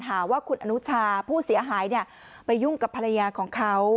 หาว่าคุณอนุชาผู้เสียหายไปยุ่งกับภรรยาของเขา